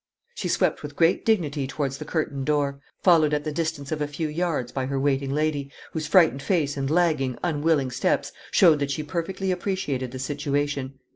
She swept with great dignity towards the curtained door, followed at the distance of a few yards by her waiting lady, whose frightened face and lagging, unwilling steps showed that she perfectly appreciated the situation.